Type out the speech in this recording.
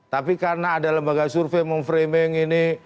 tapi karena ada lembaga survei memframing ini